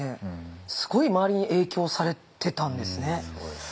すごい周りに影響されてたんですね。